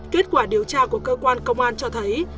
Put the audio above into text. kết quả điều tra của cơ quan công an cho thấy